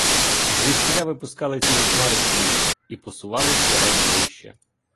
Звідсіля випускали цілі хмари стріл і посувались щораз ближче.